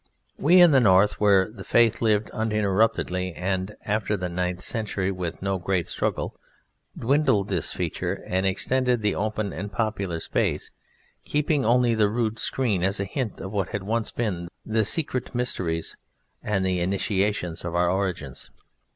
We in the North, where the Faith lived uninterruptedly and, after the ninth century, with no great struggle, dwindled this feature and extended the open and popular space, keeping only the rood screen as a hint of what had once been the Secret Mysteries and the Initiations of our origins.